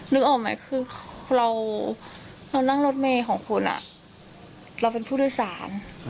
นึกออกไหมคือเรานั่งรถเมย์ของคุณเราเป็นผู้โดยสาร